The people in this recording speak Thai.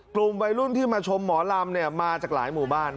กลุ่มวัยรุ่นที่มาชมหมอลำมาจากหลายหมู่บ้าน